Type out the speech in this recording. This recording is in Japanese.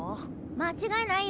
間違いないよ。